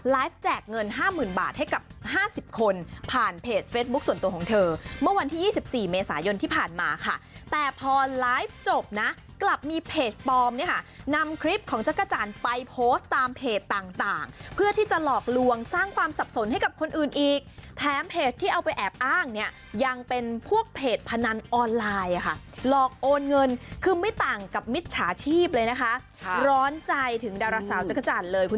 ไลฟ์แจกเงิน๕๐๐๐๐บาทให้กับ๕๐คนผ่านเพจเฟซบุ๊คส่วนตัวของเธอเมื่อวันที่๒๔เมษายนที่ผ่านมาค่ะแต่พอไลฟ์จบนะกลับมีเพจปลอมนี่ค่ะนำคลิปของจักรจันทร์ไปโพสต์ตามเพจต่างเพื่อที่จะหลอกลวงสร้างความสับสนให้กับคนอื่นอีกแถมเพจที่เอาไปแอบอ้างเนี่ยยังเป็นพวกเพจพนันออนไลน์ค่ะหลอกโอนเง